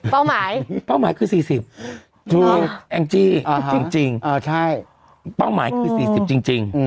เป้าหมายเป้าหมายคือสี่สิบจริงจริงอ่าใช่เป้าหมายคือสี่สิบจริงจริง